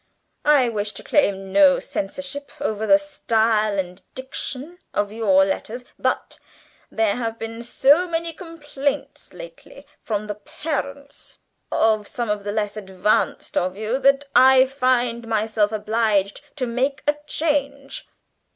I wish to claim no censorship over the style and diction of your letters. But there have been so many complaints lately from the parents of some of the less advanced of you, that I find myself obliged to make a change.